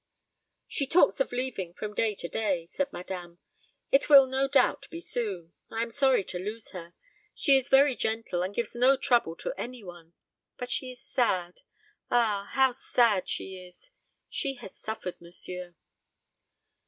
"She talks of leaving from day to day," said madame; "it will no doubt be soon. I am sorry to lose her. She is very gentle, and gives no trouble to any one. But she is sad ah, how sad she is! She has suffered, monsieur."